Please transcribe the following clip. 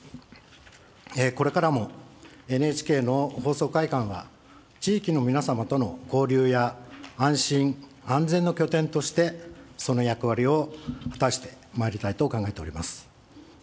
これからもＮＨＫの放送会館は、地域の皆様との交流や安心・安全の拠点として、その役割を果たしてまいりたいと考えております。